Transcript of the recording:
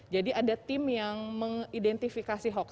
jadi ada tim yang mengidentifikasi hoax